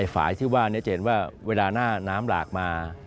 ฝ่ายที่ว่าจะเห็นว่าเวลาหน้าน้ำหลากมา